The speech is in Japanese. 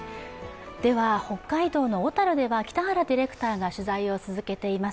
北海道の小樽では北原ディレクターが取材を続けています。